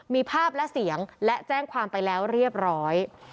มีภาพและเสียงและแจ้งความไปแล้วเรียบร้อย